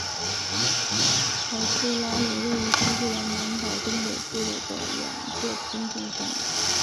凯库拉岭位于新西兰南岛东北部的两座平行山脉。